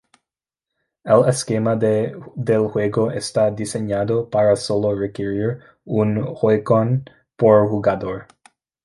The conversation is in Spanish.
El esquema del juego está diseñado para sólo requerir un Joy-Con por jugador.